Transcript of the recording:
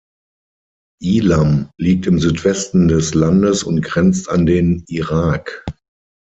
Ilam liegt im Südwesten des Landes und grenzt an den Irak.